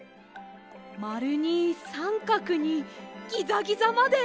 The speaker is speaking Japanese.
まるにさんかくにギザギザまで！